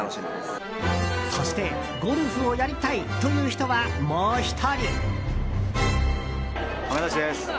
そしてゴルフをやりたいという人はもう１人。